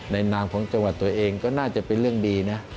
นามของจังหวัดตัวเองก็น่าจะเป็นเรื่องดีนะ